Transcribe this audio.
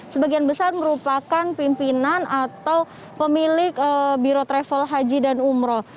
sebagian besar merupakan pimpinan atau pemilik biro travel haji dan umroh